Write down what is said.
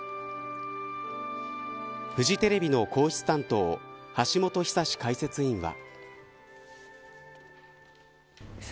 フジテレビの皇室担当橋本寿史解説委員は。